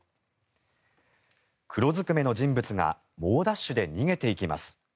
黒ずくめの人物が猛ダッシュで逃げていきます。